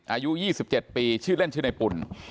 อายุยี่สิบเจ็ดปีชื่อเล่นชื่อในปุ่น